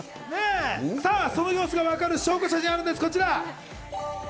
その様子がわかる証拠写真があるんです、こちら！